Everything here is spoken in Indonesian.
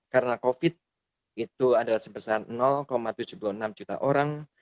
karena covid itu adalah sebesar tujuh puluh enam juta orang